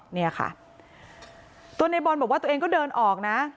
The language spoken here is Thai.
เนี่ยค่ะตัวในบอลบอกว่าตัวเองก็เดินออกนะ